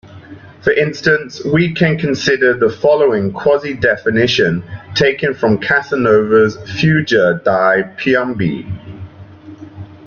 For instance, we can consider the following quasi-definition taken from Casanova's Fuga dai Piombi.